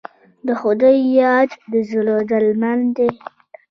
د خدای یاد د زړه درمل دی.